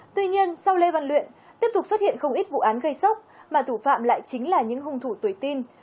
tuy nhiên sau lê văn luyện tiếp tục xuất hiện không ít vụ án gây sốc mà thủ phạm lại chính là những hung thủ tuổi tin